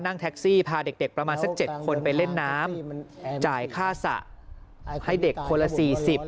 นั่งแท็คซีพาเด็กประมาณสัก๗คนไปเล่นน้ำจ่ายค่าศ่าให้